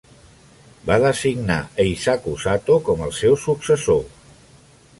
Va designar Eisaku Sato com el seu successor.